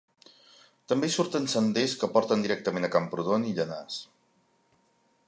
També hi surten senders que porten directament a Camprodon i Llanars.